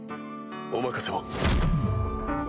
お任せを。